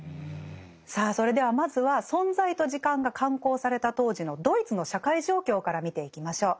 さあそれではまずは「存在と時間」が刊行された当時のドイツの社会状況から見ていきましょう。